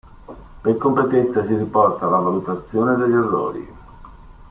Per completezza si riporta la valutazione degli errori.